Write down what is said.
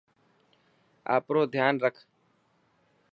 آپرو ڌيان رک.